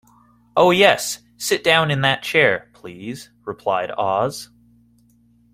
"Oh, yes; sit down in that chair, please," replied Oz.